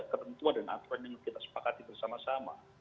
ketentuan dan aturan yang kita sepakati bersama sama